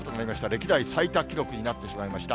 歴代最多記録になってしまいました。